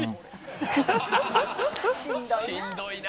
「しんどいな」